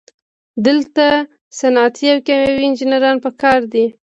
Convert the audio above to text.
دلته صنعتي او کیمیاوي انجینران پکار دي.